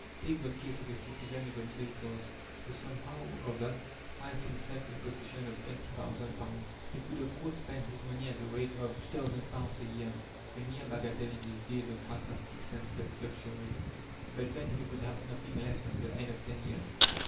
Take the case of a citizen of the middle class, who somehow or other finds himself in possession of £20,000. He could, of course, spend his money at the rate of £2,000 a year, a mere bagatelle in these days of fantastic, senseless luxury. But then he would have nothing left at the end of ten years.